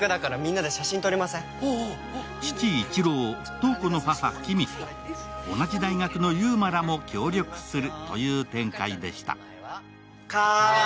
父・市郎、瞳子の母・貴美子、同じ大学の祐馬らも協力するという展開でした